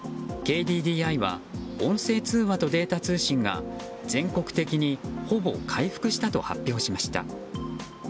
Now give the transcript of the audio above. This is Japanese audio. ＫＤＤＩは音声通話とデータ通信が全国的にほぼ回復したと発表しました。